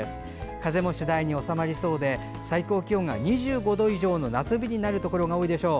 風も次第に収まりそうで最高気温が２５度以上の夏日になるところが多いでしょう。